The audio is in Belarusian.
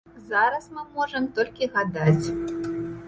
Зараз мы можам толькі гадаць.